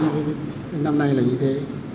điểm nhấn của những năm nay là như thế